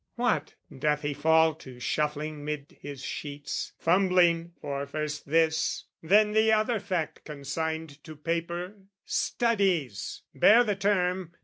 What, doth he fall to shuffling 'mid his sheets, Fumbling for first this, then the other fact Consigned to paper, "studies," bear the term!